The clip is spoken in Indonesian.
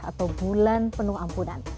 atau bulan penuh ampunan